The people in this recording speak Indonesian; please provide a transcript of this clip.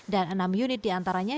dan enam unit diantaranya